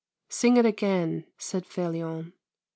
" Sing it again," said Felion.